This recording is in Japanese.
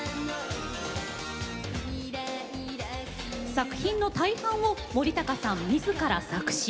作品の大半を森高さん、みずから作詞。